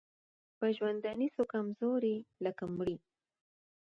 په ژوندوني سو کمزوری لکه مړی